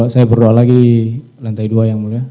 saya berdoa lagi di lantai dua yang mulia